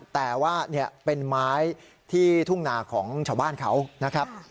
แต่ว่าเป็นไม้ที่ทุ่งนาของชาวบ้านเขานะครับ